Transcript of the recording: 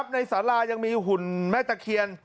ในสารายังมีหุ่นแม่ตะเคียน